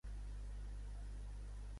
El cognom és Rizo: erra, i, zeta, o.